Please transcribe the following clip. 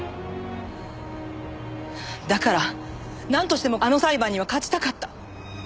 だからなんとしてもあの裁判には勝ちたかった。